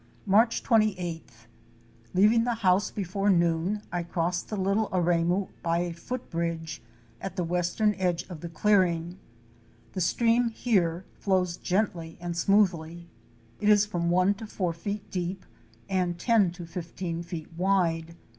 Marcu 28th. — Leaving the house before noon I crossed the Little Aremu by a foot bridge, at the western edge of the clearing. The stream here flows gently and smoothly; it is from one to four feet deep, and ten to fifteen feet wide.